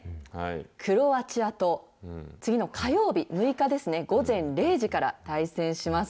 クロアチアと、次の火曜日、６日ですね、午前０時から対戦します。